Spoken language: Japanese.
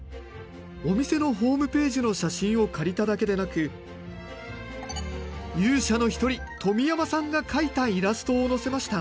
お店のホームページの写真を借りただけでなく勇者の一人富山さんが描いたイラストをのせました。